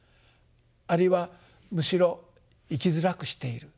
あるいはむしろ生きづらくしている。